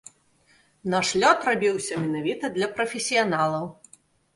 Наш лёд рабіўся менавіта для прафесіяналаў.